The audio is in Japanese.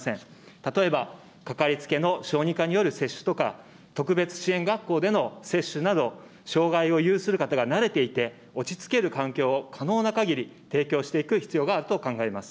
例えば、掛かりつけの小児科による接種とか、特別支援学校での接種など、障害を有する方が慣れていて、落ち着ける環境を可能なかぎり提供していく必要があると考えます。